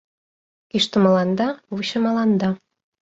Кӱштымыланда, вучымыланда